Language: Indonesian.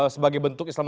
sebagai bentuk islam